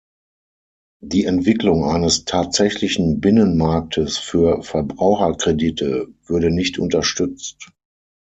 Die Entwicklung eines tatsächlichen Binnenmarktes für Verbraucherkredite würde nicht unterstützt.